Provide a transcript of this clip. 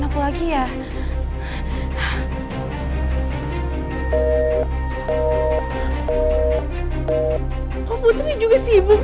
aku mau tanya dia